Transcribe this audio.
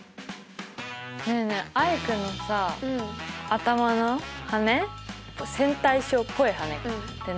ねえねえアイクのさ頭の羽線対称っぽい羽って何の役に立つの？